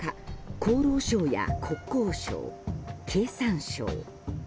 厚労省や国交省、経産省。